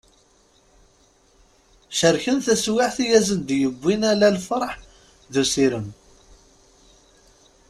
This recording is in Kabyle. Cerken taswiɛt i as-d-yewwin ala lferḥ d usirem.